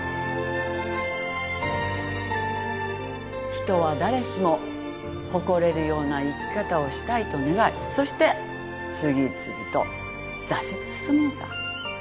人は誰しも誇れるような生き方をしたいと願いそして次々と挫折するもんさ。